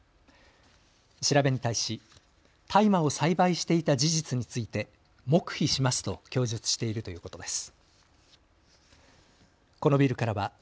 調べに対し大麻を栽培していた事実について黙秘しますと供述しているということです。